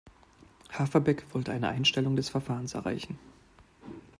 Haverbeck wollte eine Einstellung des Verfahrens erreichen.